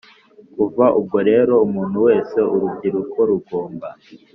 Kuva ubwo rero umuntu wese Urubyiruko rugomba